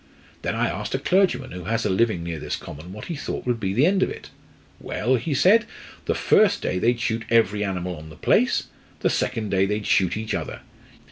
Then I asked a clergyman who has a living near this common what he thought would be the end of it. 'Well,' he said, 'the first day they'd shoot every animal on the place; the second day they'd shoot each other.